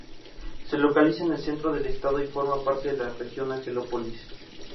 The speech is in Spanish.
Se localiza en el centro del estado y forma parte de región Angelópolis.